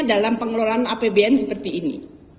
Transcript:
dalam pengelolaan apbn seperti ini